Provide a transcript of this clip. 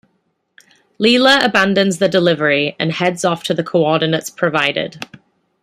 Leela abandons the delivery, and heads off to the coordinates provided.